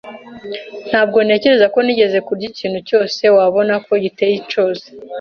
Ntabwo ntekereza ko nigeze kurya ikintu cyose wabona ko giteye ishozi.